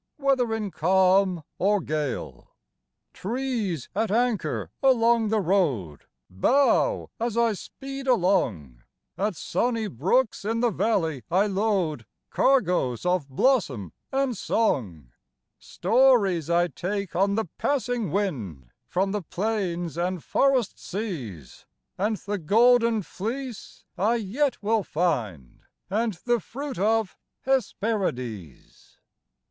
Whether in calm or gale. 38 Preparedness Trees at anchor along the road Bow as I speed along; At sunny brooks in the valley I load Cargoes of blossom and song; Stories I take on the passing wind From the plains and forest seas, And the Golden Fleece I yet will find, And the fruit of Hesperides.